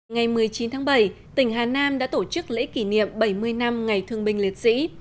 ngày một mươi chín tháng bảy tỉnh hà nam đã tổ chức lễ kỷ niệm bảy mươi năm ngày thương binh liệt sĩ